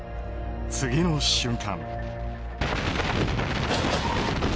次の瞬間。